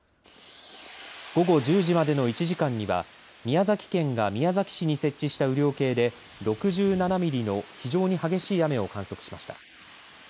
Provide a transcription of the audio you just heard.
午後１０時までの１時間には宮崎県が宮崎市に設置した雨量計で６７ミリの非常に激しい雨を観測しました。